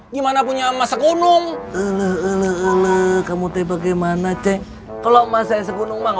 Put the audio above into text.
gimana punya ama segunung eluh eluh eluh kamu teh bagaimana ceng kalau emas saya segunung mah gak